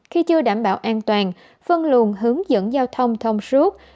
khi chưa đảm bảo an toàn phân luồn hướng dẫn giao thông thông suốt